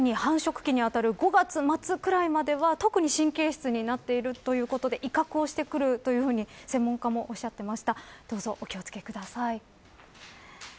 特に繁殖期に当たる５月末くらいまでは特に神経質になっているということで威嚇をしてくるというふうに専門家もおっしゃっていました。